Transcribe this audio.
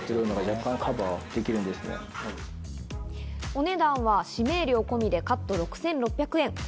お値段は指名料込みでカット６６００円。